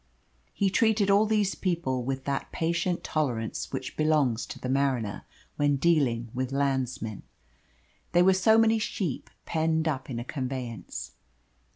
He treated all these people with that patient tolerance which belongs to the mariner when dealing with landsmen. They were so many sheep penned up in a conveyance.